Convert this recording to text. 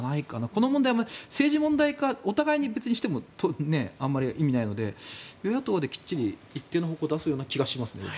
この問題、政治問題化お互いにしてもあまり意味ないので与野党できっちり一定の方向を出す気がしますね。